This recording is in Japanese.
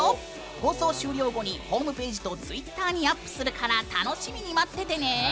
放送終了後にホームページとツイッターにアップするから楽しみに待っててね！